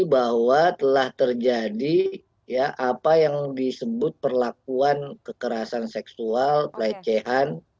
bahwa telah terjadi apa yang disebut perlakuan kekerasan seksual pelecehan